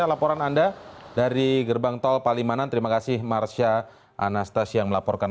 adakah informasi tentang rekayasa lalu lintas seperti apa yang akan dilakukan untuk mengantisipasi puncak kepadatan pada tanggal dua puluh tiga subuh tersebut